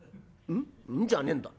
「うんじゃねえんだ。